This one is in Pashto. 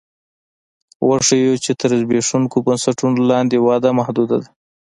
وښیو چې تر زبېښونکو بنسټونو لاندې وده محدوده ده